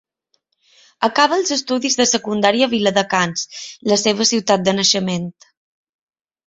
Acaba els estudis de secundària a Viladecans, la seva ciutat de naixement.